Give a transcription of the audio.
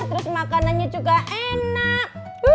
terus makanannya juga enak